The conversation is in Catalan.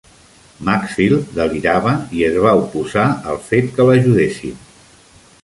Maxfield delirava i es va oposar al fet que l'ajudessin.